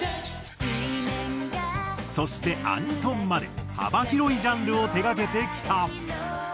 そしてアニソンまで幅広いジャンルを手掛けてきた。